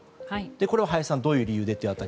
これは林さん、どういう理由で。